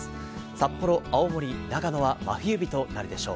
札幌、青森、長野は真冬日となるでしょう。